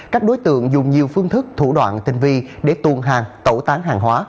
các đối tượng dùng nhiều phương thức thủ đoạn tinh vi để tuồn hàng tẩu tán hàng hóa